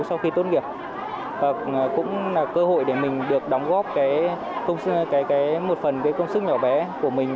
sau khi tốt nghiệp cũng là cơ hội để mình được đóng góp một phần công sức nhỏ bé của mình